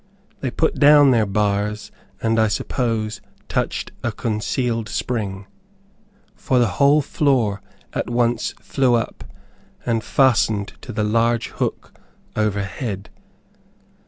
They put down their bars, and I suppose touched a concealed spring, for the whole floor at once flew up, and fastened to the large hook over head.